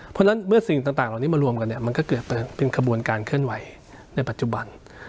เพราะฉะนั้นเมื่อสิ่งต่างเหล่านี้มารวมกันเนี่ยมันก็เกิดเป็นขบวนการเคลื่อนไหวในปัจจุบัน